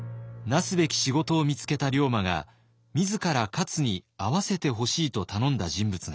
なすべき仕事を見つけた龍馬が自ら勝に会わせてほしいと頼んだ人物がいます。